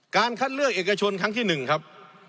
คัดเลือกเอกชนครั้งที่๑ครับ